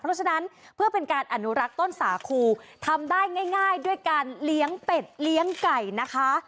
เพราะฉะนั้นเพื่อเป็นการอนุรักษ์ต้นสาคูทำได้ง่ายด้วยการเลี้ยงเป็ดเลี้ยงไก่นะคะ